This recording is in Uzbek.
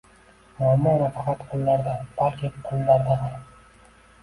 Muammo nafaqat qullarda, balki qullarda ham